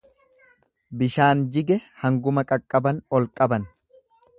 Bishaan jige hanguma qaqqaban ol qaban.